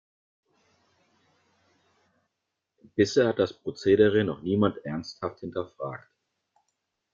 Bisher hat das Prozedere noch niemand ernsthaft hinterfragt.